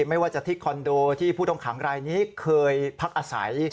ไม่ว่าจะที่คอนโดที่ผู้ต้องขังรายนี้เคยพักอาศัย